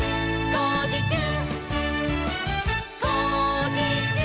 「こうじちゅう！！」